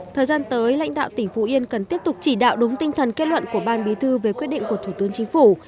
thời gian tới lãnh đạo tỉnh phú yên cần tiếp tục chỉ đạo đúng tinh thần kết luận của ban bí thư về quyết định của thủ tướng chính phủ